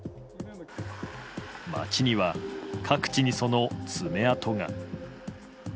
街には、各地にその爪痕が。